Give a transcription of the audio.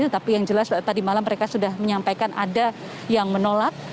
tetapi yang jelas tadi malam mereka sudah menyampaikan ada yang menolak